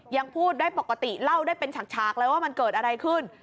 ยังพูดได้ปกติเล่าได้เป็นฉากเลยว่ามันเกิดอะไรขึ้น